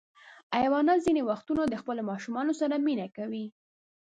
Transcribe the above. حیوانات ځینې وختونه د خپلو ماشومانو سره مینه کوي.